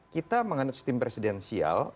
kita mengandung sistem presidensial